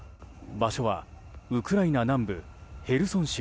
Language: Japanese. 場所はウクライナ南部ヘルソン州